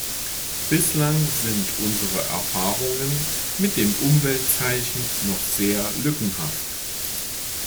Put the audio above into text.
Bislang sind unsere Erfahrungen mit dem Umweltzeichen noch sehr lückenhaft.